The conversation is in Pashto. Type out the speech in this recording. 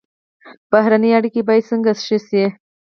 بهرنۍ اړیکې باید څنګه ښې شي؟